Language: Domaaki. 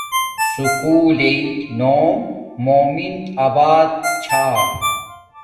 سکُول لݵݵ نوم مومن ابات چھا